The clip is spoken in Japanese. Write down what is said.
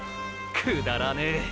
くだらねェ！！